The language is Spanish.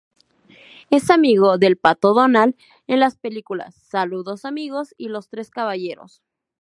Es amigo del Pato Donald en las películas "Saludos Amigos" y "Los tres caballeros".